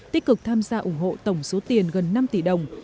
tích cực tham gia ủng hộ tổng số tiền gần năm tỷ đồng